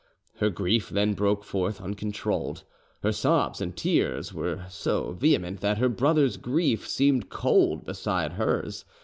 Her grief then broke forth uncontrolled. Her sobs and tears were so vehement that her brothers' grief seemed cold beside hers.